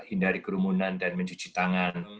hindari kerumunan dan mencuci tangan